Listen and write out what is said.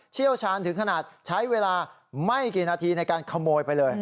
เชี่ยวชาญถึงขนาดใช้เวลาไม่กี่นาทีในการขโมยไปเลย